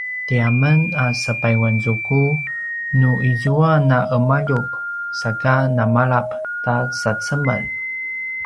tiamen a sepayuanzuku nu izua na’emaljup saka namalap ta sacemel